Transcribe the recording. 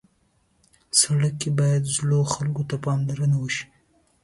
سړک کې باید زړو خلکو ته پاملرنه وشي.